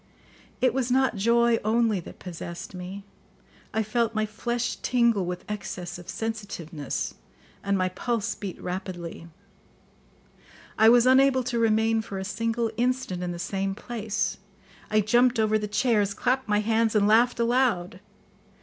It was not joy only that possessed me; I felt my flesh tingle with excess of sensitiveness, and my pulse beat rapidly. I was unable to remain for a single instant in the same place; I jumped over the chairs, clapped my hands, and laughed aloud.